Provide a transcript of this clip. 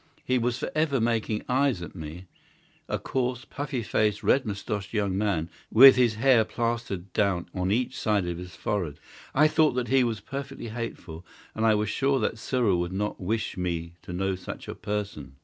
He was for ever making eyes at me—a coarse, puffy faced, red moustached young man, with his hair plastered down on each side of his forehead. I thought that he was perfectly hateful—and I was sure that Cyril would not wish me to know such a person."